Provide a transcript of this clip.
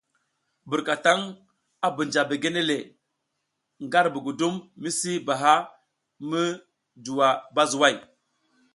Burkataŋ a bunja begene le nga ar budugum misi baha mi juwa bazuway.